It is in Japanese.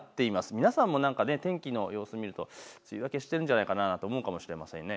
皆さんも天気の様子を見ると梅雨明けしているんじゃないかなと思うかもしれませんね。